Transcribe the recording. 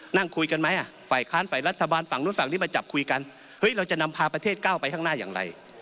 นั่งคุยกันไหมฝ่ายค้านฝ่ายรัฐบาลฝั่งนู้นฝั่งนี้มาจับคุยกันเฮ้ยเราจะนำพาประเทศก้าวไปข้างหน้าอย่างไร